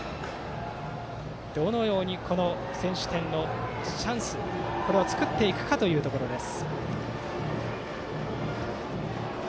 どのように先取点のチャンスを作っていくかというところです。